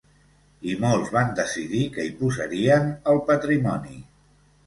I molts van decidir que hi posarien el patrimoni.